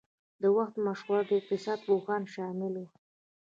د وخت مشهور اقتصاد پوهان شامل وو.